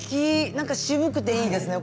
なんか渋くていいですね。